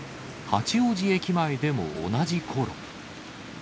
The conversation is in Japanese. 八王子駅前でも同じころ。